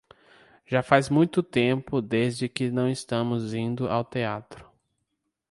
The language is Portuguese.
Já faz muito tempo desde que não estamos indo ao teatro.